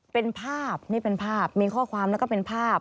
เป็นภาพนี่เป็นภาพมีข้อความแล้วก็เป็นภาพ